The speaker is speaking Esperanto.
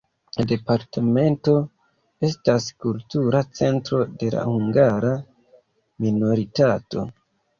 La departemento estas kultura centro de la hungara minoritato.